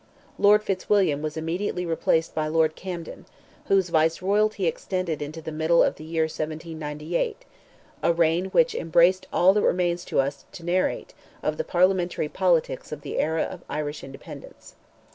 Lord Fitzwilliam was immediately replaced by Lord Camden, whose Viceroyalty extended into the middle of the year 1798: a reign which embraced all that remains to us to narrate, of the Parliamentary politics of the era of Independence.